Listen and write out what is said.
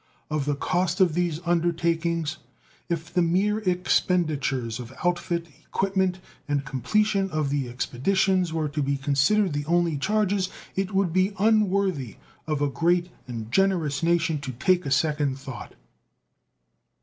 Of the cost of these undertakings, if the mere expenditures of outfit, equipment, and completion of the expeditions were to be considered the only charges, it would be unworthy of a great and generous nation to take a second thought.